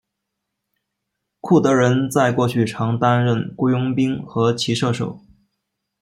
库德人在过去常担任雇佣兵和骑射手。